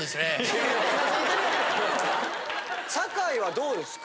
坂井はどうですか？